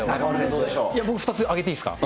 僕、２つ挙げていいですか？